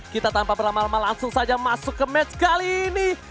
kita tanpa berlama lama langsung saja masuk ke match kali ini